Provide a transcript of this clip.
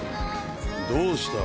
どうした？